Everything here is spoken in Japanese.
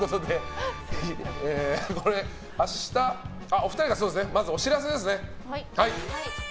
お二人からお知らせですね。